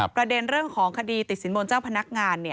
ประเด็นเรื่องของคดีติดสินบนเจ้าพนักงาน